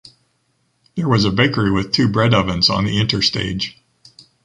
There was a bakery with two bread ovens on the interstage.